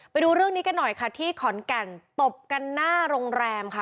ไปดูเรื่องนี้กันหน่อยค่ะที่ขอนแก่นตบกันหน้าโรงแรมค่ะ